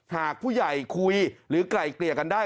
หากผู้ใหญ่คุยหรือไกล่เกลี่ยกันได้